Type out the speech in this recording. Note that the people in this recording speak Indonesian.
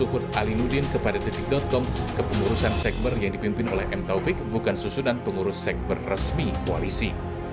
kepada detik com kepengurusan sekber yang dipimpin oleh m taufik bukan susunan pengurus sekber resmi koalisi